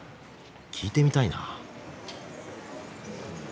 聴いてみたいな。